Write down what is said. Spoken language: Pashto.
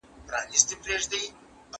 اوس په ځان پوهېږم چي مين يمه